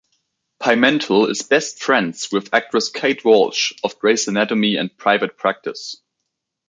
Pimental is best friends with actress Kate Walsh of "Grey's Anatomy" and "Private Practice".